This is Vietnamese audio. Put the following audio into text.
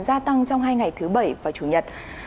gia tăng trong hai ngày thứ bảy và chủ nhật